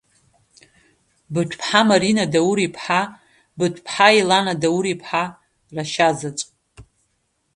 Быҭә-ԥҳа Мариана Даур-иԥҳа, Быҭә-ԥҳа Елана Даур-иԥҳа, рашьазаҵә…